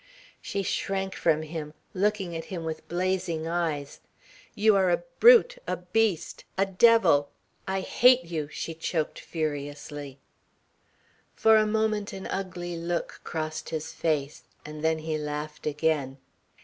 She shrank from him, looking at him with blazing eyes. "You are a brute, a beast, a devil! I hate you!" she choked furiously. For a moment an ugly look crossed his face, and then he laughed again.